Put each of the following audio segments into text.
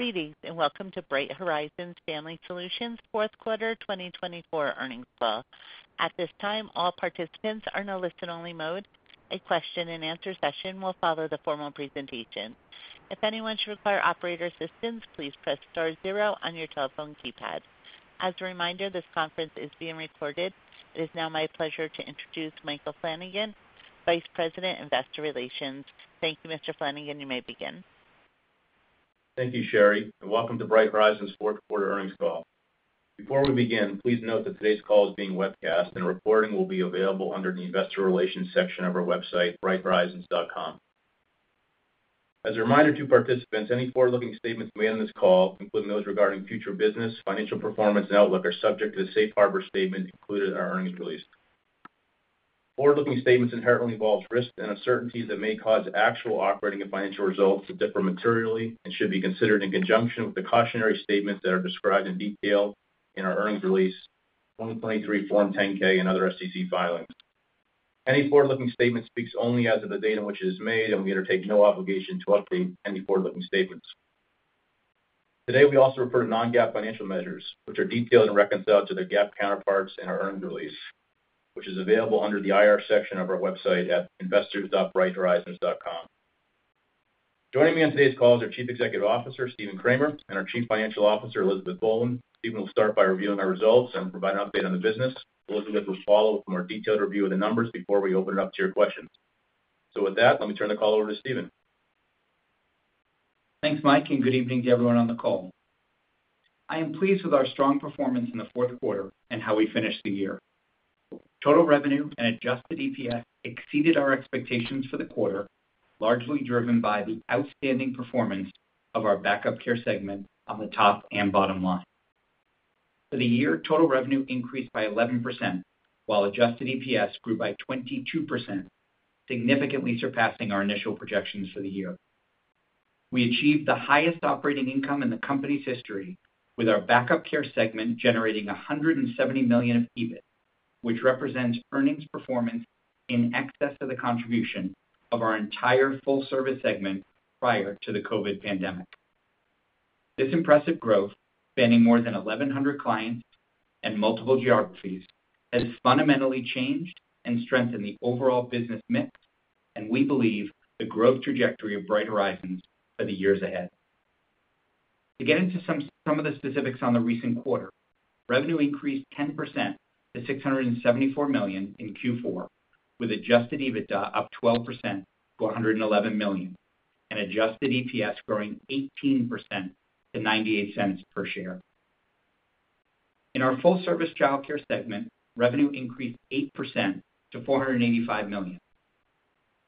Greetings and welcome to Bright Horizons Family Solutions Fourth Quarter 2024 Earnings Call. At this time, all participants are in a listen-only mode. A question-and-answer session will follow the formal presentation. If anyone should require operator assistance, please press star zero on your telephone keypad. As a reminder, this conference is being recorded. It is now my pleasure to introduce Michael Flanagan, Vice President, Investor Relations. Thank you, Mr. Flanagan. You may begin. Thank you, Sherry, and welcome to Bright Horizons Fourth Quarter Earnings Call. Before we begin, please note that today's call is being webcast, and the recording will be available under the Investor Relations section of our website, brighthorizons.com. As a reminder to participants, any forward-looking statements made in this call, including those regarding future business, financial performance, and outlook, are subject to the Safe Harbor statement included in our earnings release. Forward-looking statements inherently involve risks and uncertainties that may cause actual operating and financial results to differ materially and should be considered in conjunction with the cautionary statements that are described in detail in our earnings release, 2023 Form 10-K, and other SEC filings. Any forward-looking statement speaks only as of the date on which it is made, and we undertake no obligation to update any forward-looking statements. Today, we also refer to Non-GAAP financial measures, which are detailed and reconciled to their GAAP counterparts in our earnings release, which is available under the IR section of our website at investors.brighthorizons.com. Joining me on today's call is our Chief Executive Officer, Stephen Kramer, and our Chief Financial Officer, Elizabeth Boland. Stephen will start by reviewing our results and provide an update on the business. Elizabeth will follow with a more detailed review of the numbers before we open it up to your questions. So with that, let me turn the call over to Stephen. Thanks, Mike, and good evening to everyone on the call. I am pleased with our strong performance in the fourth quarter and how we finished the year. Total revenue and adjusted EPS exceeded our expectations for the quarter, largely driven by the outstanding performance of our Back-Up Care segment on the top and bottom line. For the year, total revenue increased by 11%, while adjusted EPS grew by 22%, significantly surpassing our initial projections for the year. We achieved the highest operating income in the company's history, with our Back-Up Care segment generating $170 million of EBIT, which represents earnings performance in excess of the contribution of our entire Full Service segment prior to the COVID pandemic. This impressive growth, spanning more than 1,100 clients and multiple geographies, has fundamentally changed and strengthened the overall business mix, and we believe the growth trajectory of Bright Horizons for the years ahead. To get into some of the specifics on the recent quarter, revenue increased 10% to $674 million in Q4, with adjusted EBITDA up 12% to $111 million, and adjusted EPS growing 18% to $0.98 per share. In our Full Service childcare segment, revenue increased 8% to $485 million.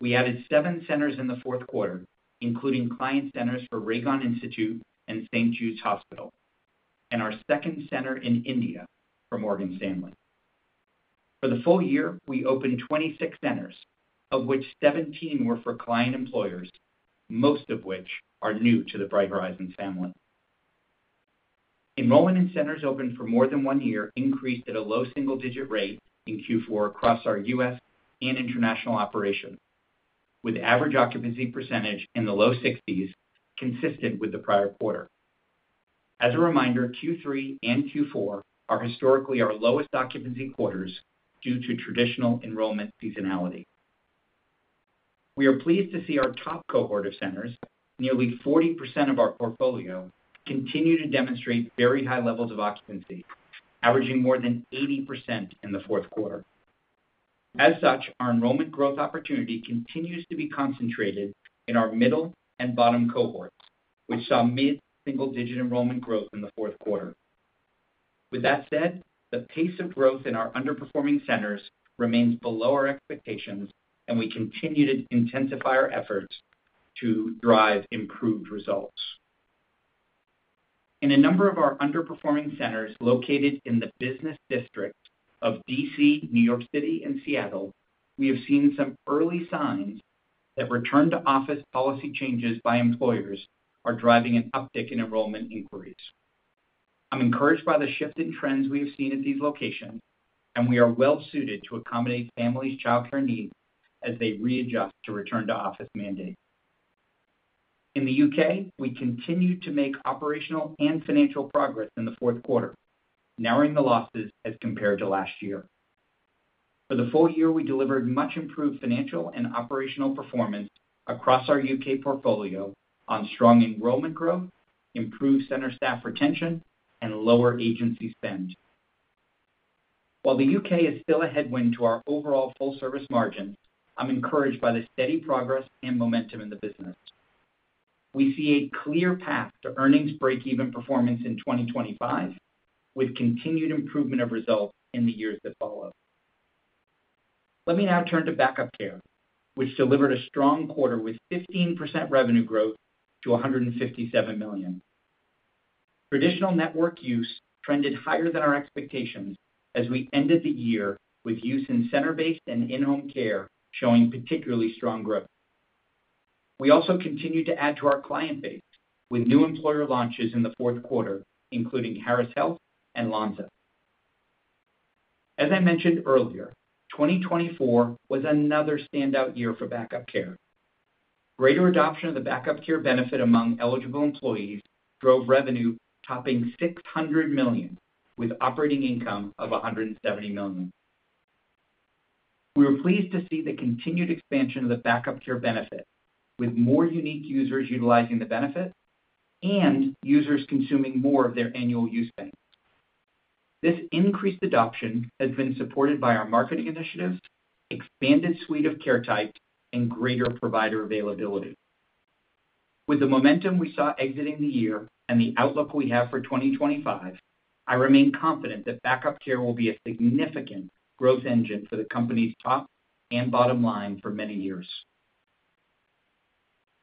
We added seven centers in the fourth quarter, including client centers for Ragon Institute and St. Jude's Hospital, and our second center in India for Morgan Stanley. For the full-year, we opened 26 centers, of which 17 were for client employers, most of which are new to the Bright Horizons Family. Enrollment in centers open for more than one year increased at a low single-digit rate in Q4 across our U.S. and international operations, with average occupancy percentage in the low 60s, consistent with the prior quarter. As a reminder, Q3 and Q4 are historically our lowest occupancy quarters due to traditional enrollment seasonality. We are pleased to see our top cohort of centers, nearly 40% of our portfolio, continue to demonstrate very high levels of occupancy, averaging more than 80% in the fourth quarter. As such, our enrollment growth opportunity continues to be concentrated in our middle and bottom cohorts, which saw mid-single-digit enrollment growth in the fourth quarter. With that said, the pace of growth in our underperforming centers remains below our expectations, and we continue to intensify our efforts to drive improved results. In a number of our underperforming centers located in the business district of D.C., New York City, and Seattle, we have seen some early signs that return-to-office policy changes by employers are driving an uptick in enrollment inquiries. I'm encouraged by the shift in trends we have seen at these locations, and we are well-suited to accommodate families' childcare needs as they readjust to return-to-office mandates. In the U.K., we continue to make operational and financial progress in the fourth quarter, narrowing the losses as compared to last year. For the full-year, we delivered much-improved financial and operational performance across our U.K. portfolio on strong enrollment growth, improved center staff retention, and lower agency spend. While the U.K. is still a headwind to our overall Full Service margins, I'm encouraged by the steady progress and momentum in the business. We see a clear path to earnings break-even performance in 2025, with continued improvement of results in the years that follow. Let me now turn to Back-Up Care, which delivered a strong quarter with 15% revenue growth to $157 million. Traditional network use trended higher than our expectations as we ended the year with use in center-based and in-home care showing particularly strong growth. We also continue to add to our client base with new employer launches in the fourth quarter, including Harris Health and Lonza. As I mentioned earlier, 2024 was another standout year for Back-Up Care. Greater adoption of the Back-Up Care benefit among eligible employees drove revenue topping $600 million, with operating income of $170 million. We were pleased to see the continued expansion of the Back-Up Care benefit, with more unique users utilizing the benefit and users consuming more of their annual use bank. This increased adoption has been supported by our marketing initiatives, expanded suite of care types, and greater provider availability. With the momentum we saw exiting the year and the outlook we have for 2025, I remain confident that Back-Up Care will be a significant growth engine for the company's top and bottom line for many years.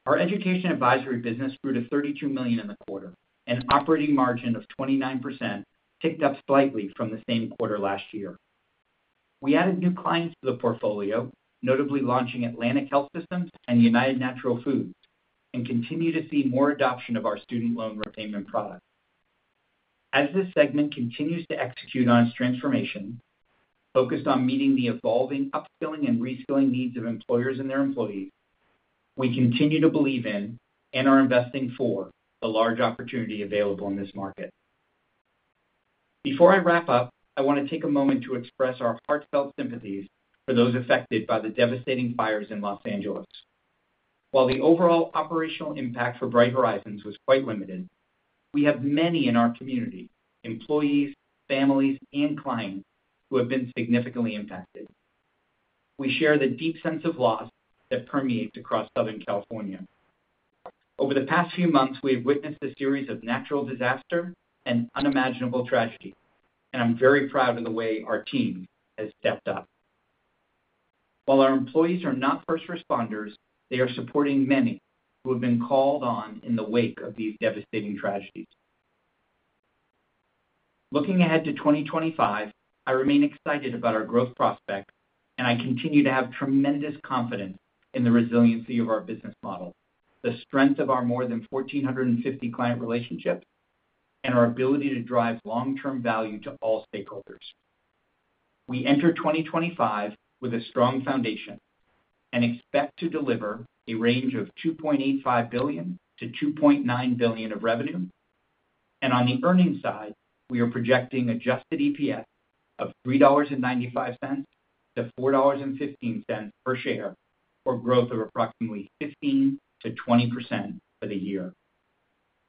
Our Education Advisory business grew to $32 million in the quarter, and operating margin of 29% ticked up slightly from the same quarter last year. We added new clients to the portfolio, notably launching Atlantic Health System and United Natural Foods, and continue to see more adoption of our student loan repayment product. As this segment continues to execute on its transformation, focused on meeting the evolving, upskilling, and reskilling needs of employers and their employees, we continue to believe in and are investing for the large opportunity available in this market. Before I wrap up, I want to take a moment to express our heartfelt sympathies for those affected by the devastating fires in Los Angeles. While the overall operational impact for Bright Horizons was quite limited, we have many in our community, employees, families, and clients, who have been significantly impacted. We share the deep sense of loss that permeates across Southern California. Over the past few months, we have witnessed a series of natural disasters and unimaginable tragedies, and I'm very proud of the way our team has stepped up. While our employees are not first responders, they are supporting many who have been called on in the wake of these devastating tragedies. Looking ahead to 2025, I remain excited about our growth prospects, and I continue to have tremendous confidence in the resiliency of our business model, the strength of our more than 1,450 client relationships, and our ability to drive long-term value to all stakeholders. We enter 2025 with a strong foundation and expect to deliver a range of $2.85 billion-$2.9 billion of revenue. On the earnings side, we are projecting Adjusted EPS of $3.95-$4.15 per share, or growth of approximately 15%-20% for the year.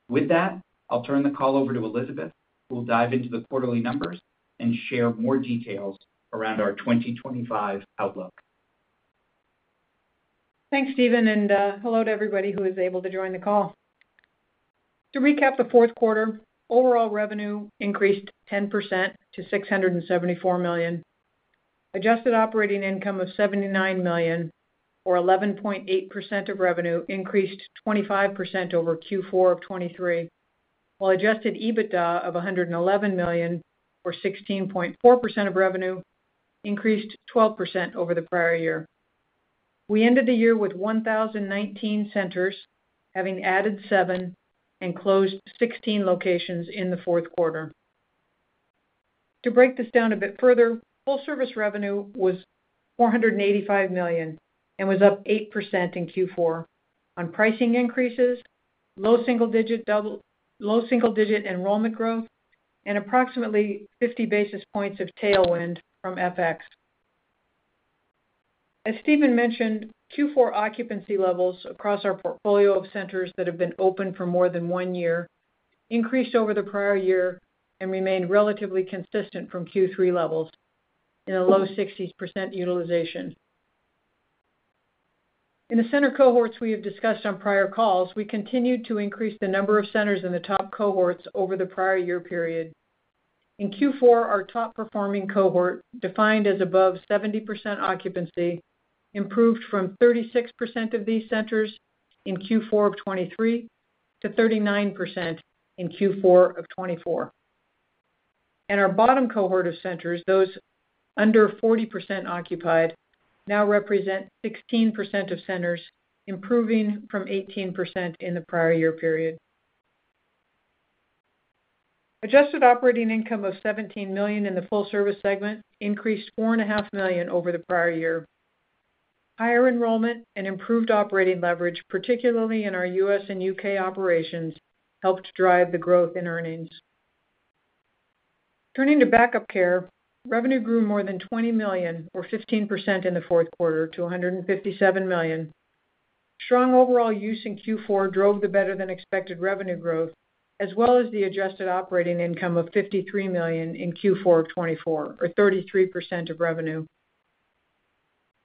With that, I'll turn the call over to Elizabeth, who will dive into the quarterly numbers and share more details around our 2025 outlook. Thanks, Stephen, and hello to everybody who was able to join the call. To recap the fourth quarter, overall revenue increased 10% to $674 million. Adjusted Operating Income of $79 million, or 11.8% of revenue, increased 25% over Q4 of 2023, while Adjusted EBITDA of $111 million, or 16.4% of revenue, increased 12% over the prior year. We ended the year with 1,019 centers having added seven and closed 16 locations in the fourth quarter. To break this down a bit further, Full Service revenue was $485 million and was up 8% in Q4 on pricing increases, low single-digit enrollment growth, and approximately 50 basis points of tailwind from FX. As Stephen mentioned, Q4 occupancy levels across our portfolio of centers that have been open for more than one year increased over the prior year and remained relatively consistent from Q3 levels in a low 60% utilization. In the center cohorts we have discussed on prior calls, we continued to increase the number of centers in the top cohorts over the prior year period. In Q4, our top-performing cohort, defined as above 70% occupancy, improved from 36% of these centers in Q4 of 2023 to 39% in Q4 of 2024, and our bottom cohort of centers, those under 40% occupied, now represent 16% of centers, improving from 18% in the prior year period. Adjusted operating income of $17 million in the Full Service segment increased $4.5 million over the prior year. Higher enrollment and improved operating leverage, particularly in our U.S. and U.K. operations, helped drive the growth in earnings. Turning to Back-Up Care, revenue grew more than $20 million, or 15% in the fourth quarter, to $157 million. Strong overall use in Q4 drove the better-than-expected revenue growth, as well as the adjusted operating income of $53 million in Q4 of 2024, or 33% of revenue.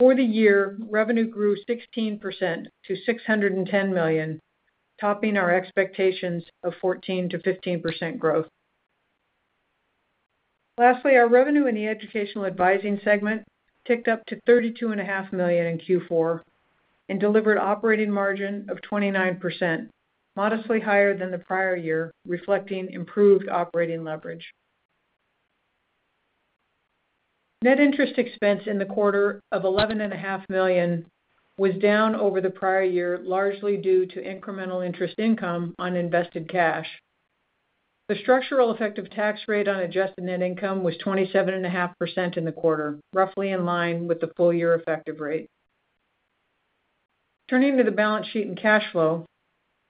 For the year, revenue grew 16% to $610 million, topping our expectations of 14%-15% growth. Lastly, our revenue in the Education Advisory segment ticked up to $32.5 million in Q4 and delivered operating margin of 29%, modestly higher than the prior year, reflecting improved operating leverage. Net interest expense in the quarter of $11.5 million was down over the prior year, largely due to incremental interest income on invested cash. The structural effective tax rate on adjusted net income was 27.5% in the quarter, roughly in line with the full-year effective rate. Turning to the balance sheet and cash flow,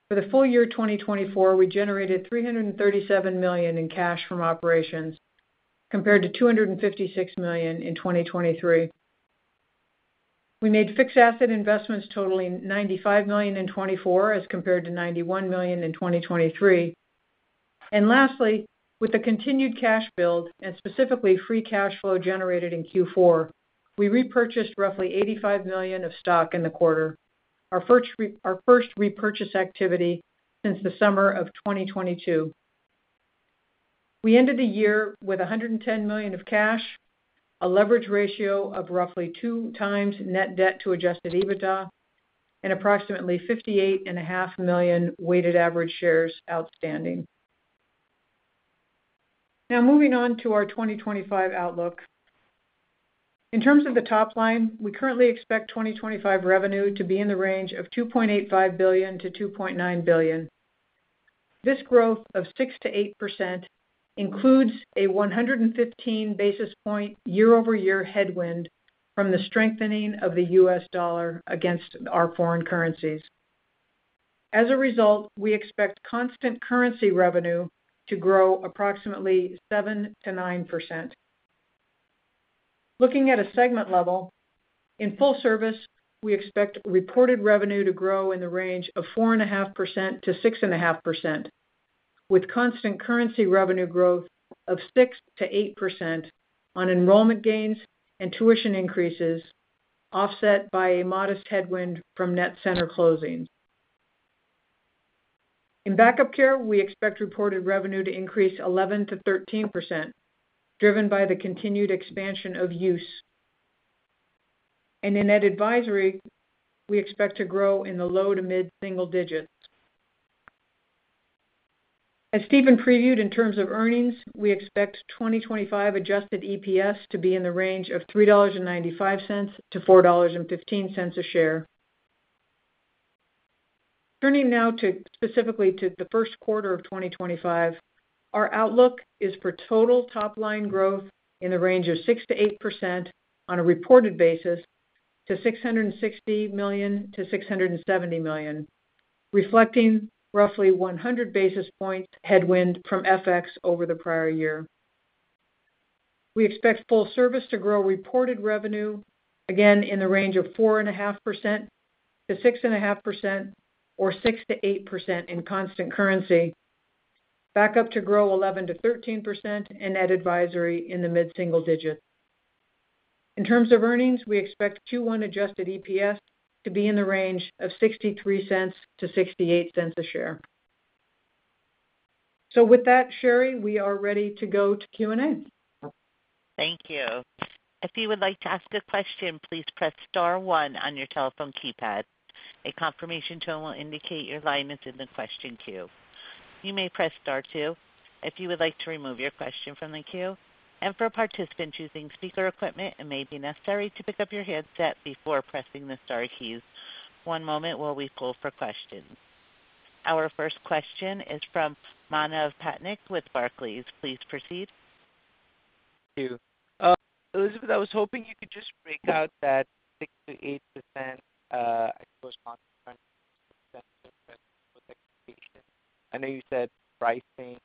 for the full-year 2024, we generated $337 million in cash from operations, compared to $256 million in 2023. We made fixed asset investments totaling $95 million in 2024, as compared to $91 million in 2023. And lastly, with the continued cash build, and specifically free cash flow generated in Q4, we repurchased roughly $85 million of stock in the quarter, our first repurchase activity since the summer of 2022. We ended the year with $110 million of cash, a leverage ratio of roughly two times net debt to adjusted EBITDA, and approximately 58.5 million weighted average shares outstanding. Now, moving on to our 2025 outlook. In terms of the top line, we currently expect 2025 revenue to be in the range of $2.85 billion-$2.9 billion. This growth of 6%-8% includes a 115 basis points year-over-year headwind from the strengthening of the U.S. dollar against our foreign currencies. As a result, we expect constant currency revenue to grow approximately 7%-9%. Looking at a segment level, in Full Service, we expect reported revenue to grow in the range of 4.5%-6.5%, with constant currency revenue growth of 6%-8% on enrollment gains and tuition increases, offset by a modest headwind from net center closings. In Back-Up Care, we expect reported revenue to increase 11%-13%, driven by the continued expansion of use. And in Education Advisory, we expect to grow in the low to mid-single digits. As Stephen previewed in terms of earnings, we expect 2025 adjusted EPS to be in the range of $3.95-$4.15 a share. Turning now specifically to the first quarter of 2025, our outlook is for total top-line growth in the range of 6%-8% on a reported basis to $660 million-$670 million, reflecting roughly 100 basis points headwind from FX over the prior year. We expect Full Service to grow reported revenue, again, in the range of 4.5%-6.5%, or 6%-8% in constant currency, Back-Up to grow 11%-13%, and Ed Advisory in the mid-single digits. In terms of earnings, we expect Q1 Adjusted EPS to be in the range of $0.63-$0.68 a share. So with that, Sherry, we are ready to go to Q&A. Thank you. If you would like to ask a question, please press star one on your telephone keypad. A confirmation tone will indicate your line is in the question queue. You may press Star 2 if you would like to remove your question from the queue. And for participants using speaker equipment, it may be necessary to pick up your headset before pressing the Star keys. One moment while we pull for questions. Our first question is from Manav Patnaik with Barclays. Please proceed. Thank you. Elizabeth, I was hoping you could just break out that 6%-8% exposed cost and expenses with expectations? I know you said pricing,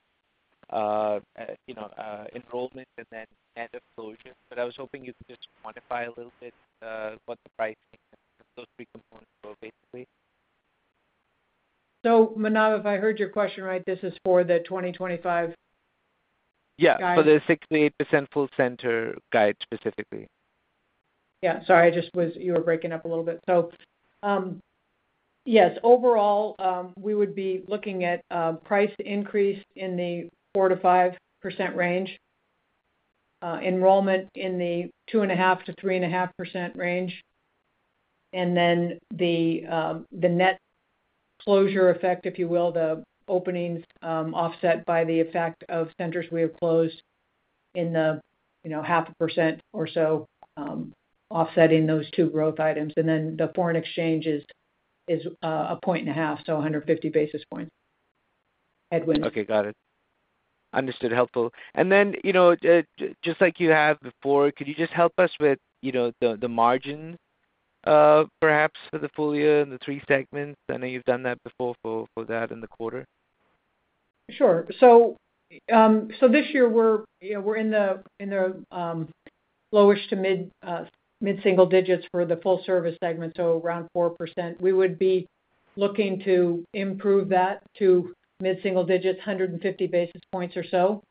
enrollment, and then net of closures, but I was hoping you could just quantify a little bit what the pricing and those three components were basically? So Manav, if I heard your question right, this is for the 2025 guide. Yeah, for the 6%-8% full center guide specifically. Yeah, sorry, I just was—you were breaking up a little bit. So yes, overall, we would be looking at price increase in the 4%-5% range, enrollment in the 2.5%-3.5% range, and then the net closure effect, if you will, the openings offset by the effect of centers we have closed in the 0.5% or so, offsetting those two growth items. And then the foreign exchange is 1.5, so 150 basis points headwind. Okay, got it. Understood. Helpful. And then, just like you have before, could you just help us with the margin, perhaps, for the full-year and the three segments? I know you've done that before for that in the quarter. Sure. So this year, we're in the lowish to mid-single digits for the Full Service segment, so around 4%. We would be looking to improve that to mid-single digits, 150 basis points or so.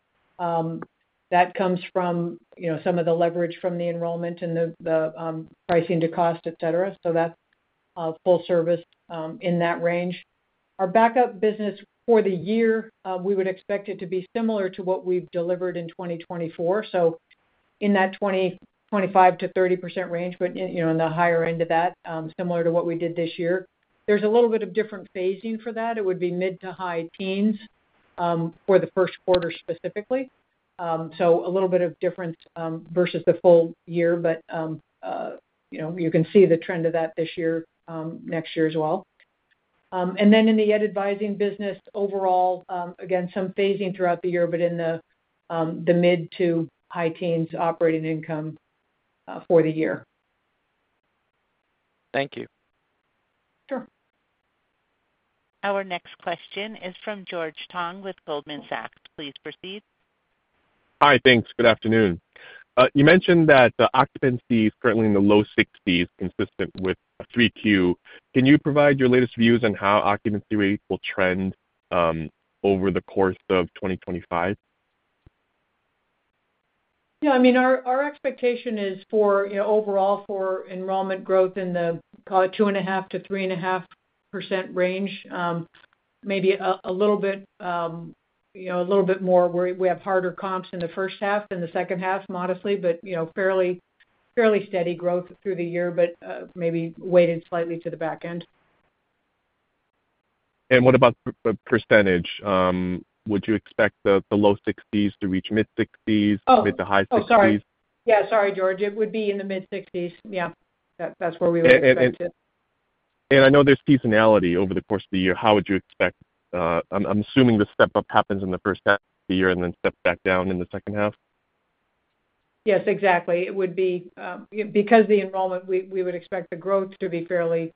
That comes from some of the leverage from the enrollment and the pricing to cost, etc. So that's Full Service in that range. Our Back-Up business for the year, we would expect it to be similar to what we've delivered in 2024, so in that 25%-30% range, but in the higher end of that, similar to what we did this year. There's a little bit of different phasing for that. It would be mid to high teens for the first quarter specifically, so a little bit of difference versus the full-year, but you can see the trend of that this year, next year as well. Then in the Education Advisory business, overall, again, some phasing throughout the year, but in the mid- to high-teens operating income for the year. Thank you. Sure. Our next question is from George Tong with Goldman Sachs Group, Inc. Please proceed. Hi, thanks. Good afternoon. You mentioned that occupancy is currently in the low 60s, consistent with a 3Q. Can you provide your latest views on how occupancy rates will trend over the course of 2025? Yeah, I mean, our expectation is overall for enrollment growth in the, call it, 2.5%-3.5% range, maybe a little bit more. We have harder comps in the first half and the second half, modestly, but fairly steady growth through the year, but maybe weighted slightly to the back end. What about the percentage? Would you expect the low 60s% to reach mid-60s% with the high 60s%? Oh, sorry. Yeah, sorry, George. It would be in the mid-60s. Yeah, that's where we would expect it. And I know there's seasonality over the course of the year. How would you expect, I'm assuming the step-up happens in the first half of the year and then steps back down in the second half? Yes, exactly. It would be - because the enrollment, we would expect the growth to be fairly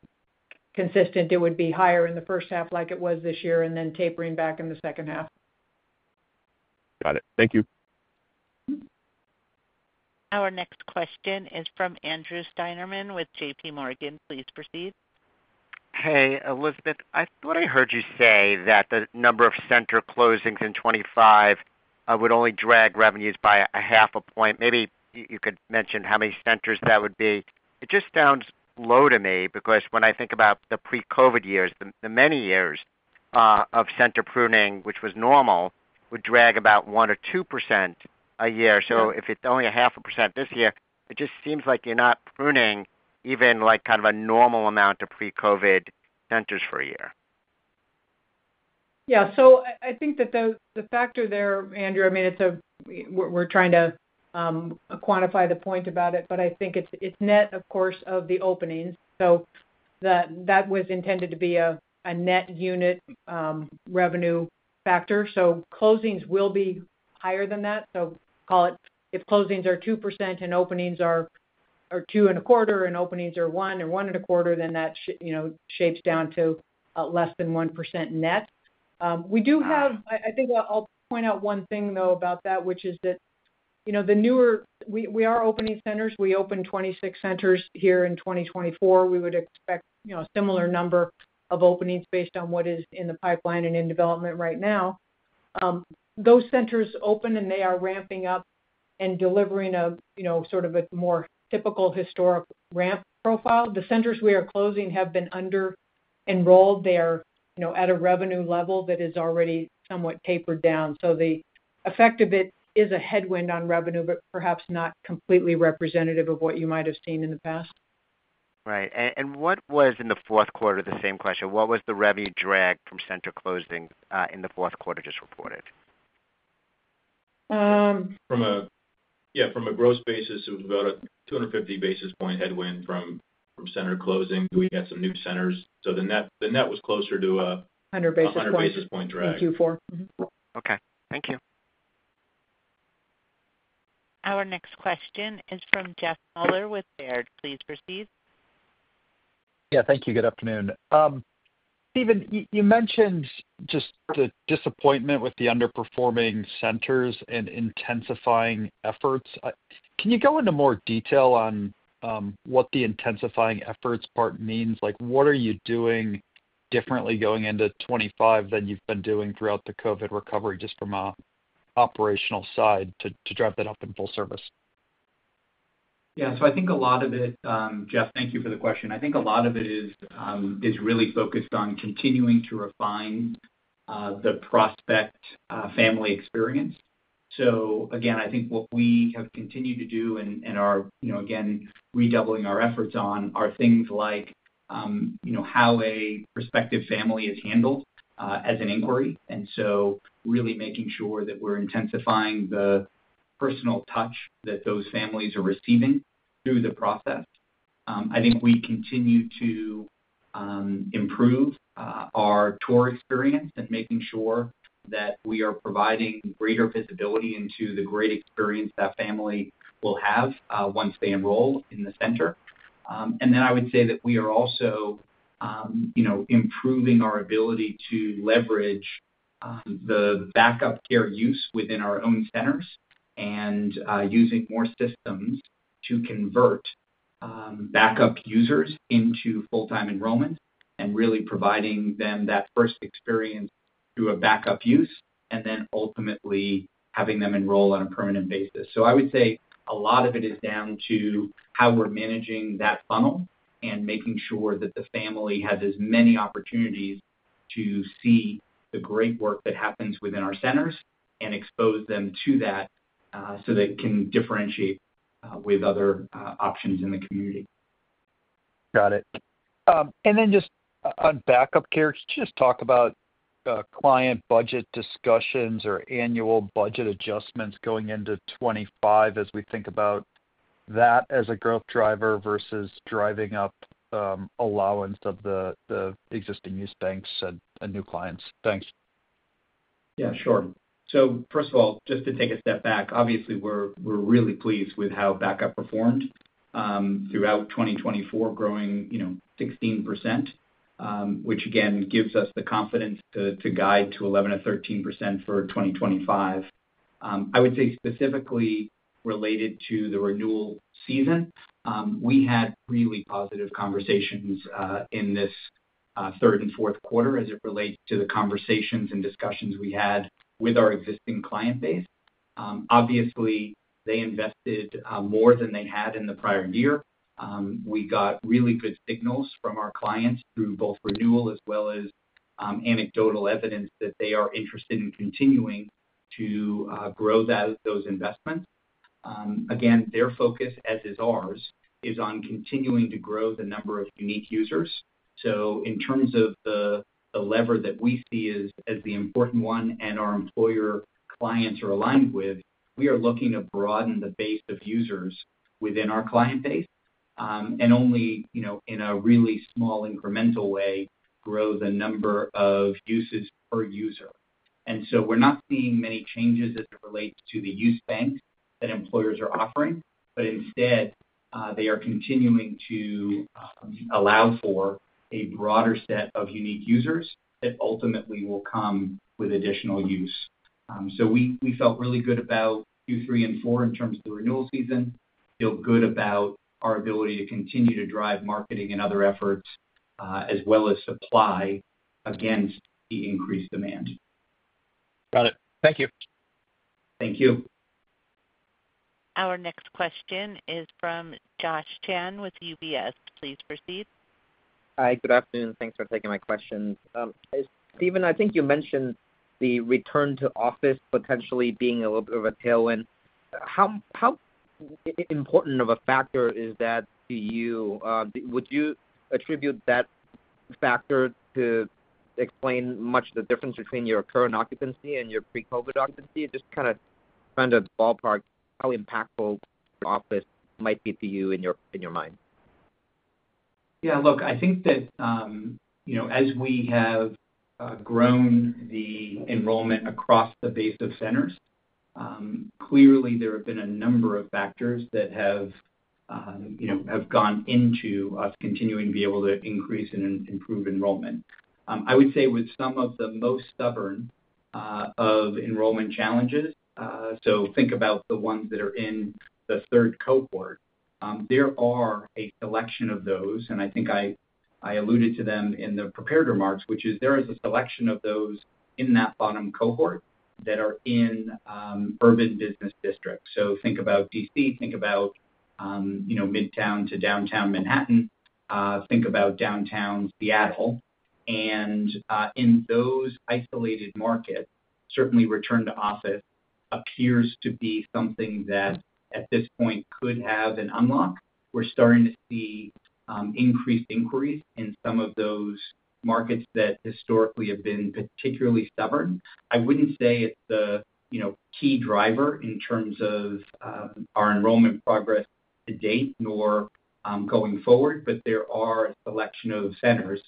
consistent. It would be higher in the first half like it was this year and then tapering back in the second half. Got it. Thank you. Our next question is from Andrew Steinerman with J.P. Morgan. Please proceed. Hey, Elizabeth. I thought I heard you say that the number of center closings in 2025 would only drag revenues by 0.5 point. Maybe you could mention how many centers that would be. It just sounds low to me because when I think about the pre-COVID years, the many years of center pruning, which was normal, would drag about 1% or 2% a year. So if it's only 0.5% this year, it just seems like you're not pruning even kind of a normal amount of pre-COVID centers for a year. Yeah, so I think that the factor there, Andrew, I mean, we're trying to quantify the point about it, but I think it's net, of course, of the openings. So that was intended to be a net unit revenue factor. So closings will be higher than that. So call it if closings are 2% and openings are 2.25% and openings are 1% or 1.25%, then that shapes down to less than 1% net. We do have - I think I'll point out one thing, though, about that, which is that the newer - we are opening centers. We opened 26 centers here in 2024. We would expect a similar number of openings based on what is in the pipeline and in development right now. Those centers open, and they are ramping up and delivering a sort of a more typical historic ramp profile. The centers we are closing have been under-enrolled. They are at a revenue level that is already somewhat tapered down. So the effect of it is a headwind on revenue, but perhaps not completely representative of what you might have seen in the past. Right. And what was, in the fourth quarter, the same question? What was the revenue drag from center closing in the fourth quarter just reported? From a gross basis, it was about a 250 basis points headwind from center closing. We had some new centers. So the net was closer to a 100 basis points drag. 100 basis point in Q4. Okay. Thank you. Our next question is from Jeff Meuler with Baird. Please proceed. Yeah, thank you. Good afternoon. Stephen, you mentioned just the disappointment with the underperforming centers and intensifying efforts. Can you go into more detail on what the intensifying efforts part means? What are you doing differently going into 2025 than you've been doing throughout the COVID recovery, just from an operational side, to drive that up in Full Service? Yeah, so I think a lot of it, Jeff, thank you for the question. I think a lot of it is really focused on continuing to refine the prospective family experience, so again, I think what we have continued to do and are, again, redoubling our efforts on are things like how a prospective family is handled as an inquiry, and so really making sure that we're intensifying the personal touch that those families are receiving through the process. I think we continue to improve our tour experience and making sure that we are providing greater visibility into the great experience that family will have once they enroll in the center. And then I would say that we are also improving our ability to leverage the Back-Up Care use within our own centers and using more systems to convert Back-Up users into full-time enrollment and really providing them that first experience through a Back-Up use and then ultimately having them enroll on a permanent basis. So I would say a lot of it is down to how we're managing that funnel and making sure that the family has as many opportunities to see the great work that happens within our centers and expose them to that so they can differentiate with other options in the community. Got it. And then just on Back-Up Care, just talk about client budget discussions or annual budget adjustments going into 2025 as we think about that as a growth driver versus driving up allowance of the existing use banks and new clients. Thanks. Yeah, sure. So first of all, just to take a step back, obviously, we're really pleased with how Back-Up performed throughout 2024, growing 16%, which, again, gives us the confidence to guide to 11%-13% for 2025. I would say specifically related to the renewal season, we had really positive conversations in this third and fourth quarter as it relates to the conversations and discussions we had with our existing client base. Obviously, they invested more than they had in the prior year. We got really good signals from our clients through both renewal as well as anecdotal evidence that they are interested in continuing to grow those investments. Again, their focus, as is ours, is on continuing to grow the number of unique users. So in terms of the lever that we see as the important one and our employer clients are aligned with, we are looking to broaden the base of users within our client base and only, in a really small incremental way, grow the number of uses per user. And so we're not seeing many changes as it relates to the use banks that employers are offering, but instead, they are continuing to allow for a broader set of unique users that ultimately will come with additional use. So we felt really good about Q3 and Q4 in terms of the renewal season. Feel good about our ability to continue to drive marketing and other efforts as well as supply against the increased demand. Got it. Thank you. Thank you. Our next question is from Josh Chan with UBS. Please proceed. Hi, good afternoon. Thanks for taking my questions. Stephen, I think you mentioned the return to office potentially being a little bit of a tailwind. How important of a factor is that to you? Would you attribute that factor to explain much of the difference between your current occupancy and your pre-COVID occupancy? Just kind of trying to ballpark how impactful office might be to you in your mind. Yeah, look, I think that as we have grown the enrollment across the base of centers, clearly, there have been a number of factors that have gone into us continuing to be able to increase and improve enrollment. I would say with some of the most stubborn of enrollment challenges, so think about the ones that are in the third cohort, there are a selection of those. And I think I alluded to them in the prepared remarks, which is there is a selection of those in that bottom cohort that are in urban business districts. So think about D.C., think about Midtown to Downtown Manhattan, think about Downtown Seattle. And in those isolated markets, certainly return to office appears to be something that at this point could have an unlock. We're starting to see increased inquiries in some of those markets that historically have been particularly stubborn. I wouldn't say it's the key driver in terms of our enrollment progress to date nor going forward, but there are a selection of centers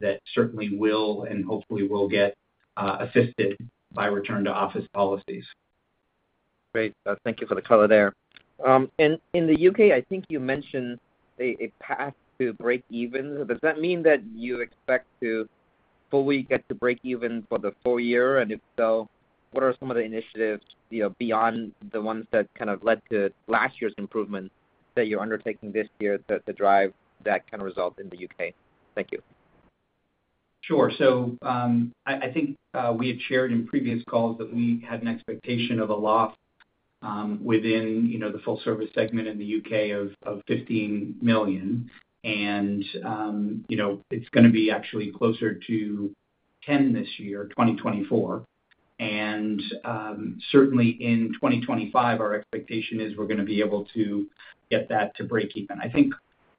that certainly will and hopefully will get assisted by return to office policies. Great. Thank you for the color there. And in the U.K., I think you mentioned a path to break even. Does that mean that you expect to fully get to break even for the full-year? And if so, what are some of the initiatives beyond the ones that kind of led to last year's improvement that you're undertaking this year to drive that kind of result in the U.K.? Thank you. Sure. So I think we had shared in previous calls that we had an expectation of a loss within the Full Service segment in the U.K. of $15 million. And it's going to be actually closer to $10 million this year, 2024. And certainly, in 2025, our expectation is we're going to be able to get that to break even. I think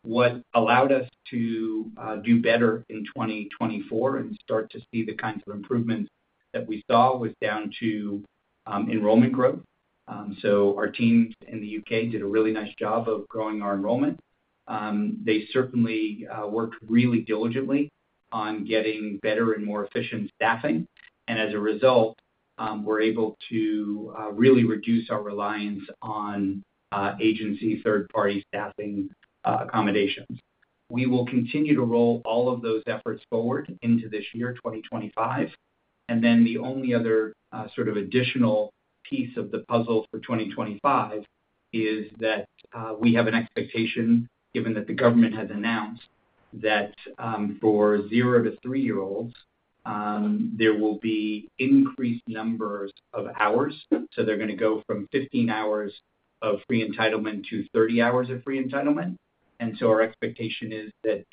what allowed us to do better in 2024 and start to see the kinds of improvements that we saw was down to enrollment growth. So our teams in the U.K. did a really nice job of growing our enrollment. They certainly worked really diligently on getting better and more efficient staffing. And as a result, we're able to really reduce our reliance on agency third-party staffing accommodations. We will continue to roll all of those efforts forward into this year, 2025. Then the only other sort of additional piece of the puzzle for 2025 is that we have an expectation, given that the government has announced that for 0- to 3-year-olds, there will be increased numbers of hours. They're going to go from 15 hours of free entitlement to 30 hours of free entitlement. Our expectation is that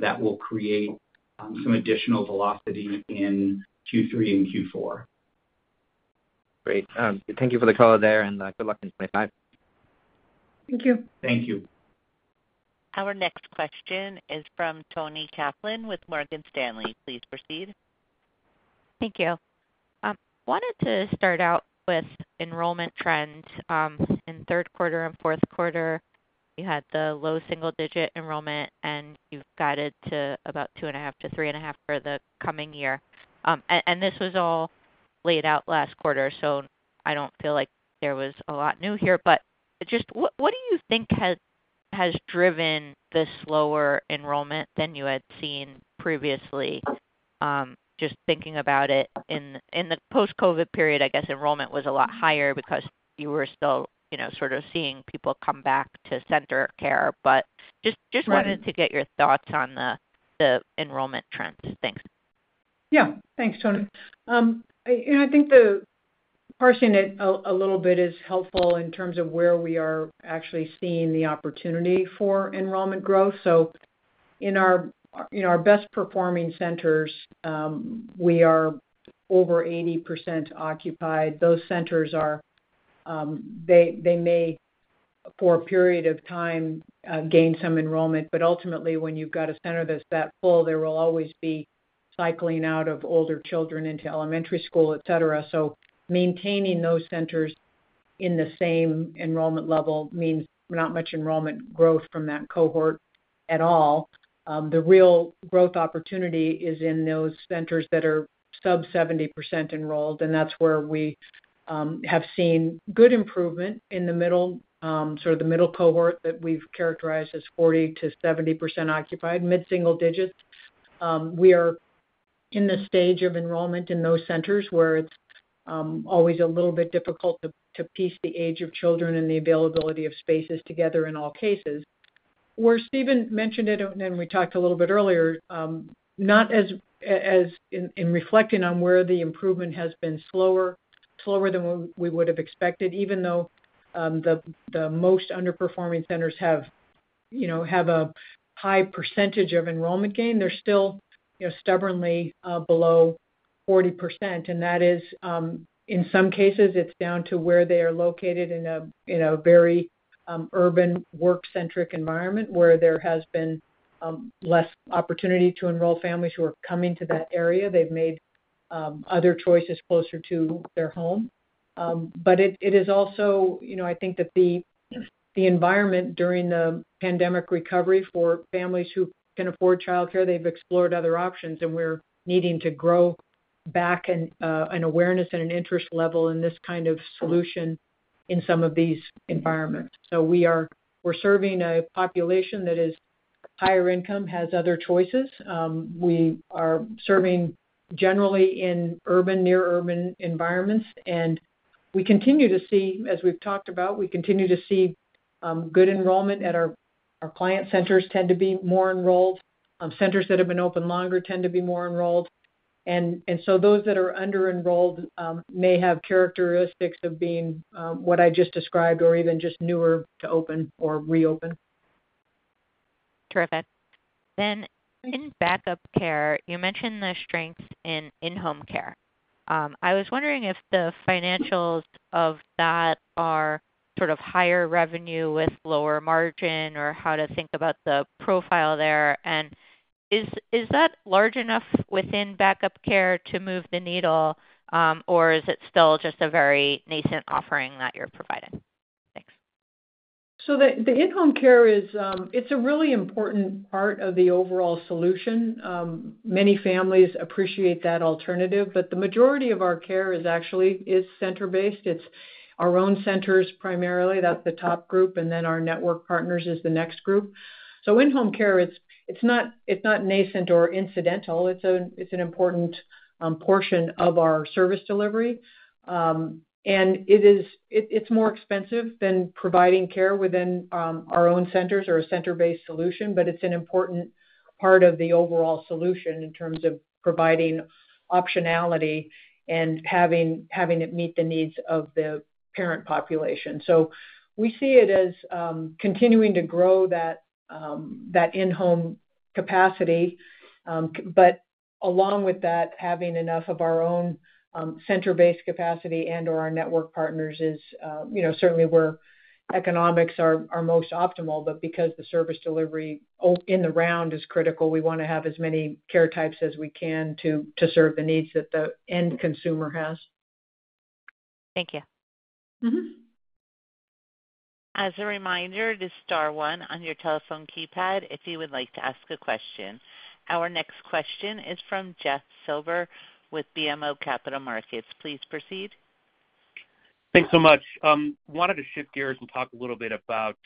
that will create some additional velocity in Q3 and Q4. Great. Thank you for the call there, and good luck in 2025. Thank you. Thank you. Our next question is from Toni Kaplan with Morgan Stanley. Please proceed. Thank you. I wanted to start out with enrollment trends. In third quarter and fourth quarter, you had the low single-digit enrollment, and you've guided to about two and a half to three and a half for the coming year. And this was all laid out last quarter, so I don't feel like there was a lot new here. But just what do you think has driven the slower enrollment than you had seen previously? Just thinking about it in the post-COVID period, I guess enrollment was a lot higher because you were still sort of seeing people come back to center care. But just wanted to get your thoughts on the enrollment trends. Thanks. Yeah. Thanks, Toni. I think the parsing it a little bit is helpful in terms of where we are actually seeing the opportunity for enrollment growth. So in our best-performing centers, we are over 80% occupied. Those centers, they may, for a period of time, gain some enrollment. But ultimately, when you've got a center that's that full, there will always be cycling out of older children into elementary school, etc. So maintaining those centers in the same enrollment level means not much enrollment growth from that cohort at all. The real growth opportunity is in those centers that are sub-70% enrolled. And that's where we have seen good improvement in the middle, sort of the middle cohort that we've characterized as 40%-70% occupied, mid-single digits. We are in the stage of enrollment in those centers where it's always a little bit difficult to piece the age of children and the availability of spaces together in all cases. Where Stephen mentioned it, and we talked a little bit earlier, not as in reflecting on where the improvement has been slower than we would have expected, even though the most underperforming centers have a high percentage of enrollment gain, they're still stubbornly below 40%. And that is, in some cases, it's down to where they are located in a very urban work-centric environment where there has been less opportunity to enroll families who are coming to that area. They've made other choices closer to their home. But it is also, I think, that the environment during the pandemic recovery for families who can afford childcare. They've explored other options, and we're needing to grow back an awareness and an interest level in this kind of solution in some of these environments. So we're serving a population that is higher income, has other choices. We are serving generally in urban, near-urban environments. And we continue to see, as we've talked about, we continue to see good enrollment at our client centers tend to be more enrolled. Centers that have been open longer tend to be more enrolled. And so those that are under-enrolled may have characteristics of being what I just described or even just newer to open or reopen. Terrific. Then in Back-Up Care, you mentioned the strengths in in-home care. I was wondering if the financials of that are sort of higher revenue with lower margin or how to think about the profile there. And is that large enough within Back-Up Care to move the needle, or is it still just a very nascent offering that you're providing? Thanks. The In-Home Care, it's a really important part of the overall solution. Many families appreciate that alternative. But the majority of our care is actually center-based. It's our own centers primarily. That's the top group. And then our network partners is the next group. So In-Home Care, it's not nascent or incidental. It's an important portion of our service delivery. And it's more expensive than providing care within our own centers or a center-based solution, but it's an important part of the overall solution in terms of providing optionality and having it meet the needs of the parent population. So we see it as continuing to grow that in-home capacity. But along with that, having enough of our own center-based capacity and/or our network partners is certainly where economics are most optimal. But because the service delivery in the round is critical, we want to have as many care types as we can to serve the needs that the end consumer has. Thank you. As a reminder, this is star one on your telephone keypad if you would like to ask a question. Our next question is from Jeff Silber with BMO Capital Markets. Please proceed. Thanks so much. Wanted to shift gears and talk a little bit about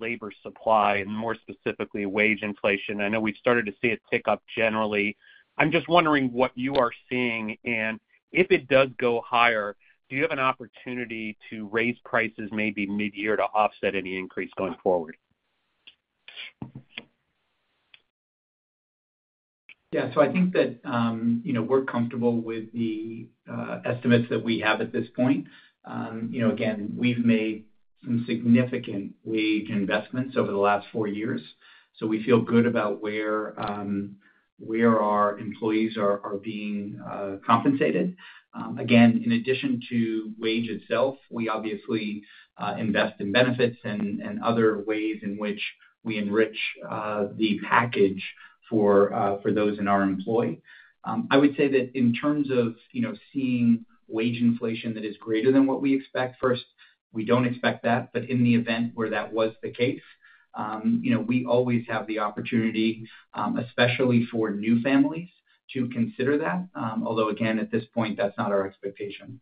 labor supply and more specifically wage inflation. I know we've started to see it tick up generally. I'm just wondering what you are seeing. And if it does go higher, do you have an opportunity to raise prices maybe mid-year to offset any increase going forward? Yeah. So I think that we're comfortable with the estimates that we have at this point. Again, we've made some significant wage investments over the last four years. So we feel good about where our employees are being compensated. Again, in addition to wage itself, we obviously invest in benefits and other ways in which we enrich the package for those in our employ. I would say that in terms of seeing wage inflation that is greater than what we expect, first, we don't expect that. But in the event where that was the case, we always have the opportunity, especially for new families, to consider that. Although, again, at this point, that's not our expectation.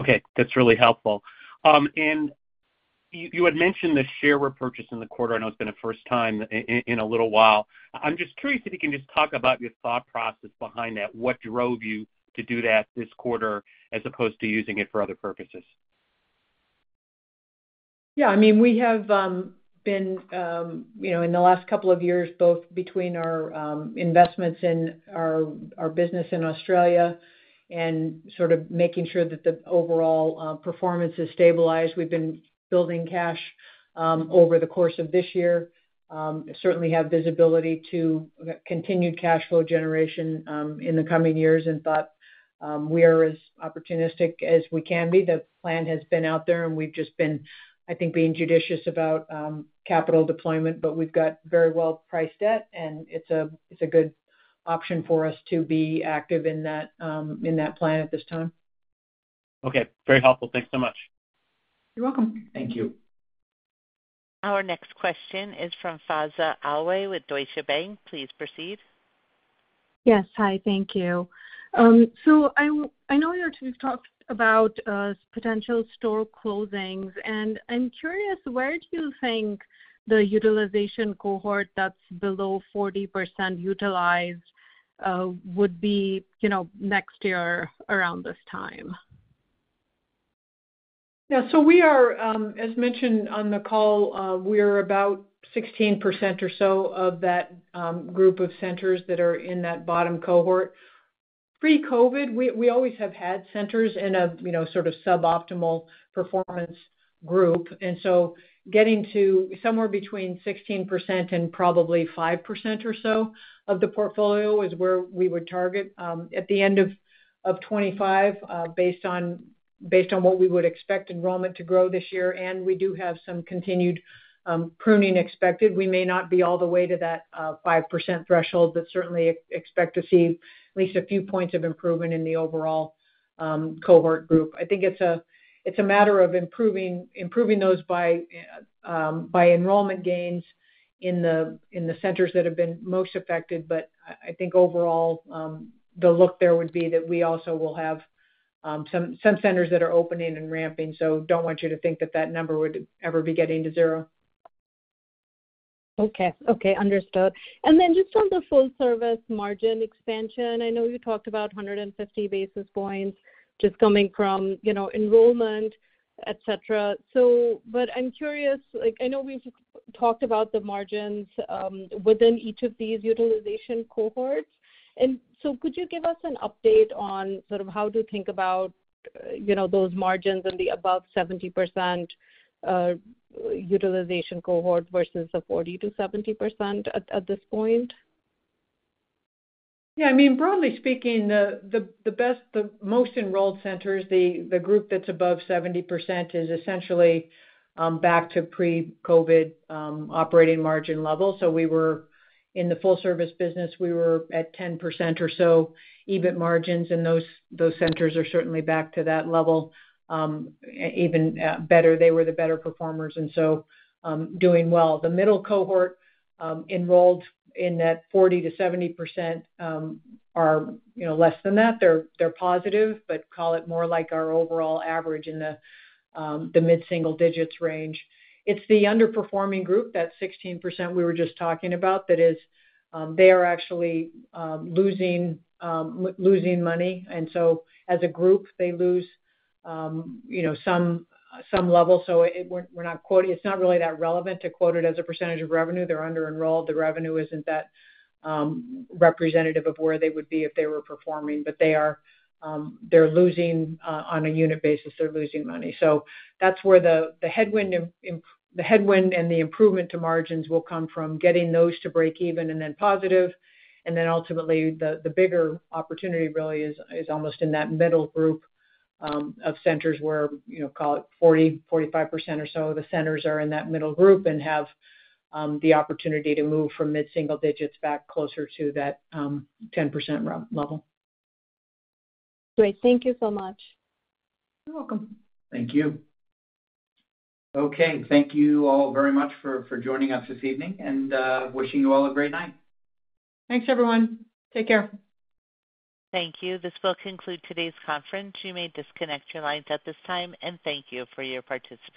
Okay. That's really helpful. And you had mentioned the share repurchase in the quarter. I know it's been a first time in a little while. I'm just curious if you can just talk about your thought process behind that. What drove you to do that this quarter as opposed to using it for other purposes? Yeah. I mean, we have been in the last couple of years both between our investments in our business in Australia and sort of making sure that the overall performance has stabilized. We've been building cash over the course of this year. Certainly have visibility to continued cash flow generation in the coming years and thought we are as opportunistic as we can be. The plan has been out there, and we've just been, I think, being judicious about capital deployment. But we've got very well-priced debt, and it's a good option for us to be active in that plan at this time. Okay. Very helpful. Thanks so much. You're welcome. Thank you. Our next question is from Faiza Alwy with Deutsche Bank. Please proceed. Yes. Hi. Thank you, so I know we've talked about potential center closings, and I'm curious, where do you think the utilization cohort that's below 40% utilized would be next year around this time? Yeah. So we are, as mentioned on the call, about 16% or so of that group of centers that are in that bottom cohort. Pre-COVID, we always have had centers in a sort of suboptimal performance group. And so getting to somewhere between 16% and probably 5% or so of the portfolio is where we would target at the end of 2025 based on what we would expect enrollment to grow this year. And we do have some continued pruning expected. We may not be all the way to that 5% threshold, but certainly expect to see at least a few points of improvement in the overall cohort group. I think it's a matter of improving those by enrollment gains in the centers that have been most affected. But I think overall, the look there would be that we also will have some centers that are opening and ramping. Don't want you to think that that number would ever be getting to zero. Okay. Okay. Understood. And then just on the Full Service margin expansion, I know you talked about 150 basis points just coming from enrollment, etc. But I'm curious, I know we've talked about the margins within each of these utilization cohorts. And so could you give us an update on sort of how to think about those margins and the above 70% utilization cohort versus the 40%-70% at this point? Yeah. I mean, broadly speaking, the most enrolled centers, the group that's above 70% is essentially back to pre-COVID operating margin level. So in the Full Service business, we were at 10% or so EBIT margins. And those centers are certainly back to that level, even better. They were the better performers and so doing well. The middle cohort enrolled in that 40%-70% are less than that. They're positive, but call it more like our overall average in the mid-single digits range. It's the underperforming group, that 16% we were just talking about, that they are actually losing money. And so as a group, they lose some level. So it's not really that relevant to quote it as a percentage of revenue. They're under-enrolled. The revenue isn't that representative of where they would be if they were performing. But they are losing on a unit basis. They're losing money. So that's where the headwind and the improvement to margins will come from getting those to break even and then positive. And then ultimately, the bigger opportunity really is almost in that middle group of centers where, call it 40%, 45% or so, the centers are in that middle group and have the opportunity to move from mid-single digits back closer to that 10% level. Great. Thank you so much. You're welcome. Thank you. Okay. Thank you all very much for joining us this evening and wishing you all a great night. Thanks, everyone. Take care. Thank you. This will conclude today's conference. You may disconnect your lines at this time, and thank you for your participation.